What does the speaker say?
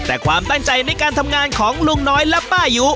แต่ความตั้งใจในการทำงานของลุงน้อยและป้ายุ